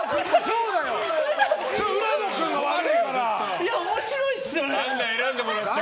いや、面白いっすよね。